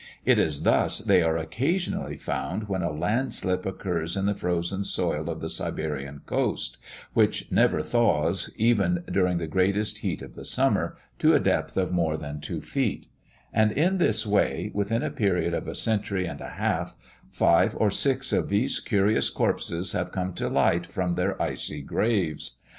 It is thus they are occasionally found when a landslip occurs in the frozen soil of the Siberian coast, which never thaws, even during the greatest heat of the summer, to a depth of more than 2 feet; and in this way, within a period of a century and a half, five or six of these curious corpses have come to light from their icy graves.